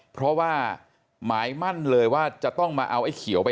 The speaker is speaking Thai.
เพราะว่าหมายมั่นเลยว่าจะต้องมาเอาไอ้เขียวไป